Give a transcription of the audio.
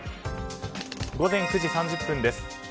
午前９時３０分です。